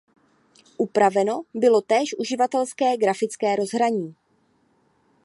Upraveno bylo též uživatelské grafické rozhraní.